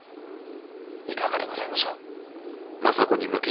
いかがでございましょう。